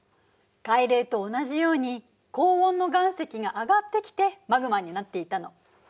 海嶺と同じように高温の岩石が上がってきてマグマになっていたの。